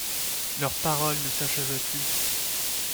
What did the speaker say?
Leurs paroles ne s'achevaient plus.